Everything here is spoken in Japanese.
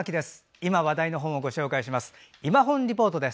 今話題の本をご紹介します